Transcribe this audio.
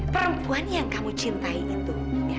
perempuan yang kamu cintai itu